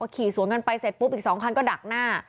ขี่สวนกันไปเสร็จปุ๊บอีก๒คันก็ดักหน้า